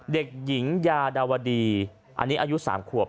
เด็กหญิงยาดาวดีอันนี้อายุ๓ขวบ